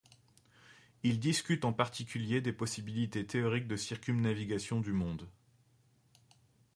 Il discute en particulier des possibilités théoriques de circumnavigation du monde.